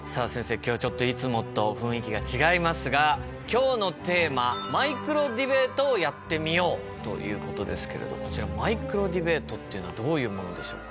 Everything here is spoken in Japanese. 今日はちょっといつもと雰囲気が違いますが今日のテーマということですけれどこちらマイクロディベートっていうのはどういうものでしょうか？